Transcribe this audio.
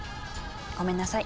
ごめんなさい。